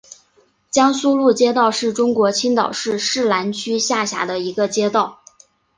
江苏路街道是中国青岛市市南区下辖的一个街道。